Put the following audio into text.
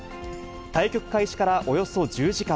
対局開始からおよそ１０時間。